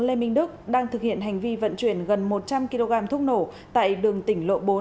lê minh đức đang thực hiện hành vi vận chuyển gần một trăm linh kg thuốc nổ tại đường tỉnh lộ bốn